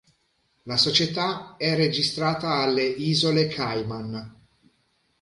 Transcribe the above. La società è registrata alle Isole Cayman.